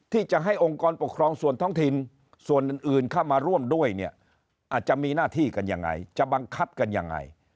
ที่จะให้องค์กรปกครองส่วนท้องถิ่นส่วนอื่นเข้ามาร่วมด้วยเนี่ยอาจจะมีหน้าที่กันยังไงจะบังคับกันยังไง